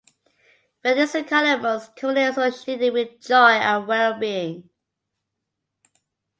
Red is the color most commonly associated with joy and well being.